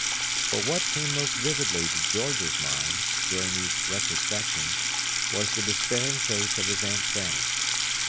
But what came most vividly to George's mind, during these retrospections, was the despairing face of his Aunt Fanny.